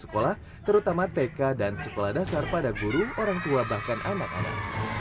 pembelajaran dari anak anak sekolah terutama tk dan sekolah dasar pada guru orang tua bahkan anak anak